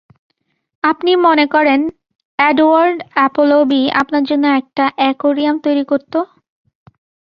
আপনি মনে করেন এডওয়ার্ড অ্যাপলবি আপনার জন্য একটা অ্যাকোরিয়াম তৈরি করত?